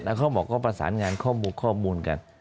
เขาบอกก็ประสานงานข้อมูลกัน